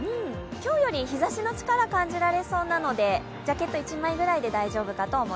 今日より日差しの力感じられそうなので、ジャケット１枚ぐらいで大丈夫です